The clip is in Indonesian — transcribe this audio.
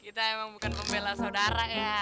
kita emang bukan pembela saudara ya